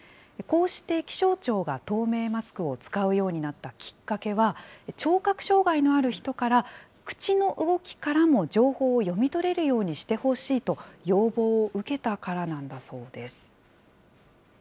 こうして気象庁が透明マスクを使うようになったきっかけは、聴覚障害のある人から口の動きからも情報を読み取れるようにしてほしいと、要望を受けたからなんだそうです。